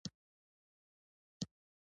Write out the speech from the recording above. ما ورته وویل: نارې وهلای شې، سندرې وایې؟